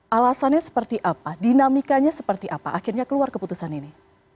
alasannya seperti apa dinamikanya seperti apa akhirnya keluar keputusan ini